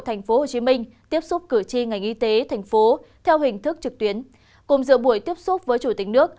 tp hcm tiếp xúc cử tri ngành y tế thành phố theo hình thức trực tuyến cùng dựa buổi tiếp xúc với chủ tịch nước